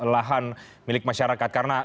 lahan milik masyarakat karena